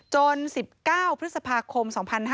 ๑๙พฤษภาคม๒๕๕๙